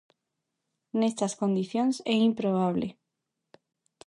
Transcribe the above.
Nestas condicións é improbable.